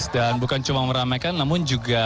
dan bukan cuma meramaikan namun juga